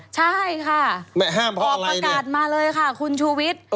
ใช่ค่ะออกประกาศมาเลยค่ะคุณชูวิทย์